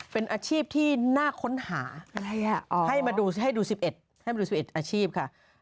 เป็นอาชีพที่น่าค้นหาให้มาดู๑๑อาชีพค่ะ